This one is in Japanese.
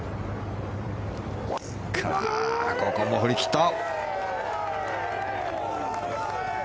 ここも振り切った！